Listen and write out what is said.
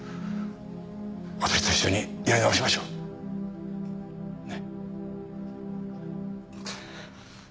私と一緒にやり直しましょう。ね？